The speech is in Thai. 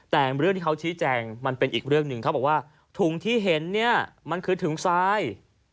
แต่เรื่องที่เขาชี้แจงมันเป็นอีกเรื่องหนึ่งเขาบอกว่าถุงที่เห็นเนี่ยมันคือถุงทราย